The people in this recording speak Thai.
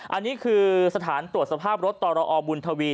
อันนี้คือสถานตรวจสภาพรถตรอบุญทวี